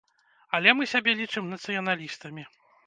Але мы сябе лічым нацыяналістамі.